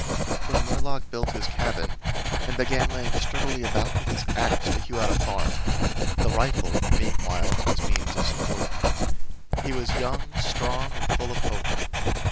When Murlock built his cabin and began laying sturdily about with his ax to hew out a farm the rifle, meanwhile, his means of support he was young, strong and full of hope.